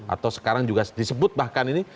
atau sekarang juga disebut bahkan ini